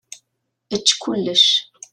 Ečč kullec.